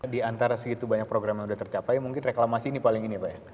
di antara segitu banyak program yang sudah tercapai mungkin reklamasi ini paling ini pak ya